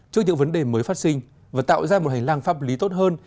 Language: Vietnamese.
trước những vấn đề mới phát sinh và tạo ra một hành lang pháp lý tốt hơn